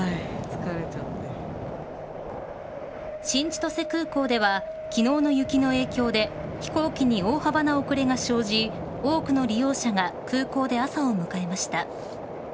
新千歳空港では昨日の雪の影響で飛行機に大幅な遅れが生じ多くの利用者が空港で朝を迎えました。